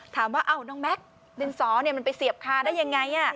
ถามว่าน้องแม็กซ์ดินสอมันไปเสียบคาได้ยังไง